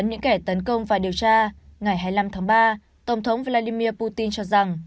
những kẻ tấn công và điều tra ngày hai mươi năm tháng ba tổng thống vladimir putin cho rằng